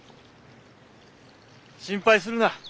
心配するな。